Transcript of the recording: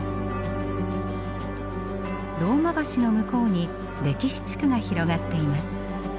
ローマ橋の向こうに歴史地区が広がっています。